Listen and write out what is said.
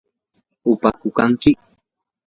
¿upaku kanki?